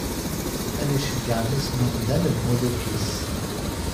Ad d-iceggeɛ mmi-s n umdan lmuluk-is.